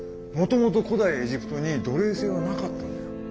もともと古代エジプトに奴隷制はなかったんだよ。